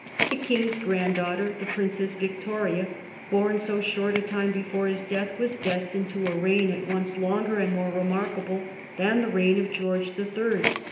The King's granddaughter, the Princess Victoria, born so short a time before his death, was destined to a reign at once longer and more remarkable than the reign of George the Third.